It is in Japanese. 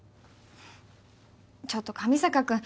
ちょっと上坂君